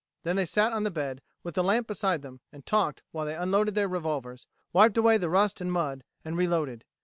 Then they sat on the bed, with the lamp beside them, and talked while they unloaded their revolvers, wiped away the rust and mud, and reloaded.